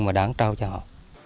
không trao cho họ